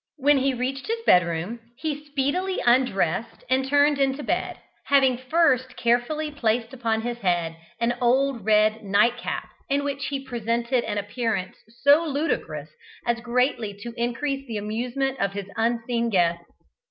When he reached his bedroom he speedily undressed and turned into bed, having first carefully placed upon his head an old red night cap, in which he presented an appearance so ludicrous as greatly to increase the amusement of his unseen guests.